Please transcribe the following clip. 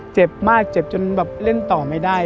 เจ็บมากเจ็บจนแบบเล่นต่อไม่ได้